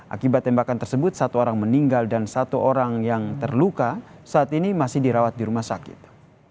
akibat tembakan tersebut satu orang meninggal dan satu orang yang terluka saat ini masih dirawat di rumah sakit